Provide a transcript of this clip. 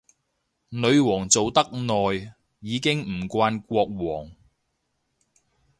女皇做得耐，已經唔慣國王